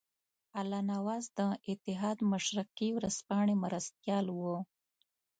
الله نواز د اتحاد مشرقي ورځپاڼې مرستیال وو.